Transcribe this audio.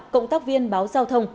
cộng tác viên báo giao thông